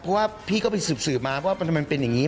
เพราะว่าพี่ก็ไปสืบมาว่าทำไมมันเป็นอย่างนี้